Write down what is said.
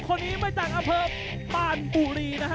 คนนี้มาจากอำเภออูทองจังหวัดสุภัณฑ์บุรีนะครับ